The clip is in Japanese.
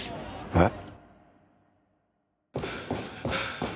えっ？